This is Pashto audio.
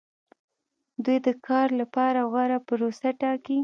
دوی د کار لپاره غوره پروسه ټاکي.